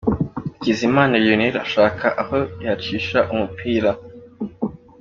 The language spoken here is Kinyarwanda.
Hakizimana Lionel ashaka aho yacisha umupira .